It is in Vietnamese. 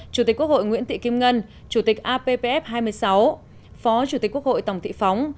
chủ tịch quốc hội nguyễn thị kim ngân chủ tịch appf hai mươi sáu phó chủ tịch quốc hội tổng thị phóng